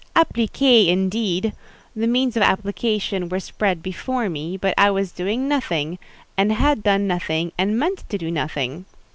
Appliquée, indeed! The means of application were spread before me, but I was doing nothing; and had done nothing, and meant to do nothing.